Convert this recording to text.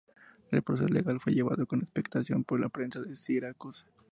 El proceso legal fue llevado con expectación por la prensa de Siracusa.